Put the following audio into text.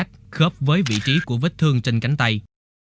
tôi đi xe quay